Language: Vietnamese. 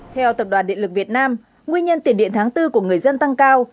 theo tập đoàn điện lực việt nam nguyên nhân tiền điện tháng bốn của người dân tăng cao